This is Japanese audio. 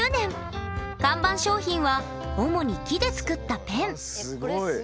看板商品は主に木で作ったペン。